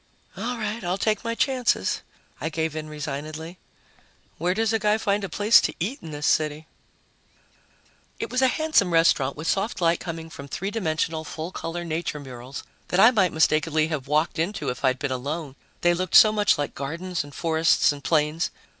"All right, I'll take my chances," I gave in resignedly. "Where does a guy find a place to eat in this city?" It was a handsome restaurant with soft light coming from three dimensional, full color nature murals that I might mistakenly have walked into if I'd been alone, they looked so much like gardens and forests and plains.